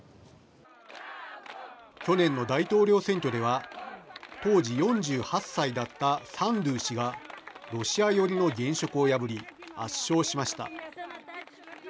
去年の大統領選挙では当時４８歳だったサンドゥ氏がロシア寄りの現職を破り圧勝しました。